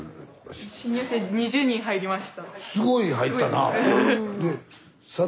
すごい入ったな。